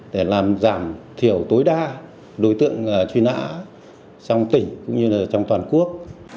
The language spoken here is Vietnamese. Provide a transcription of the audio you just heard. để làm giảm thiểu tối đa đối tượng truy nã trong tỉnh cũng như trong toàn quốc